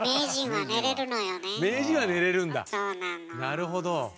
なるほど。